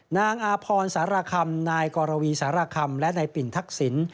นางอาพรสารคำนายกรวีสารคำและนายปิ่นทักษิณ